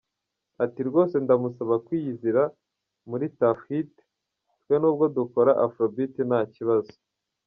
Ati “Rwose ndamusaba kwiyizira muri Tuff Hit ,twe nubwo dukora Afrobeat nta kibazo.